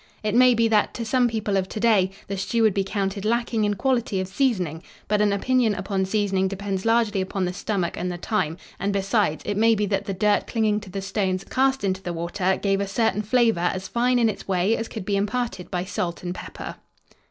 It may be that, to some people of to day, the stew would be counted lacking in quality of seasoning, but an opinion upon seasoning depends largely upon the stomach and the time, and, besides, it may be that the dirt clinging to the stones cast into the water gave a certain flavor as fine in its way as could be imparted by salt and pepper.